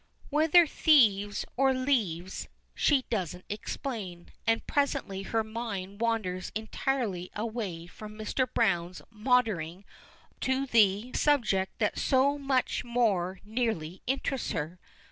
Whether "thieves" or "leaves" she doesn't explain, and presently her mind wanders entirely away from Mr. Browne's maundering to the subject that so much more nearly interests her.